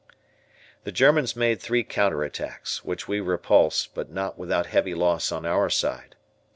The Germans made three counter attacks, which we repulsed, but not without heavy loss on our side.